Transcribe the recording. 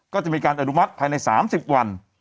ก็จะมีการอนุมัติภายใน๓๐วัน